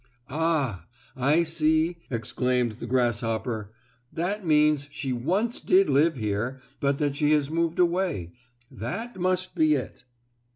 "Ah, I see!" exclaimed the grasshopper, "That means she once did live here, but that she has moved away. That must be it."